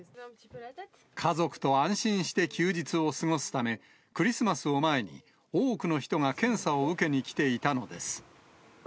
家族と安心して休日を過ごすため、クリスマスを前に多くの人が検査を受けに来ていたのです。